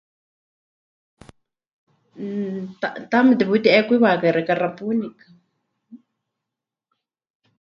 Mmm ta... taame teputi'eekwiwakai xeikɨ́a xapuunikɨ.